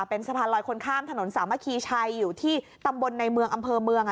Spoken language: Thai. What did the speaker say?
เป็นสะพานลอยคนข้ามถนนสามัคคีชัยอยู่ที่ตำบลในเมืองอำเภอเมือง